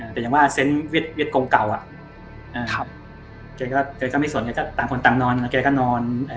แต่อย่างว่าเซนต์วิทย์กรงเก่าแกก็ไม่สนตามคนตามนอน